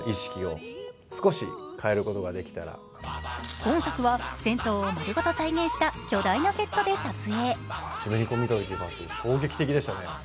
今作は銭湯を丸ごと再現した巨大なセットで撮影。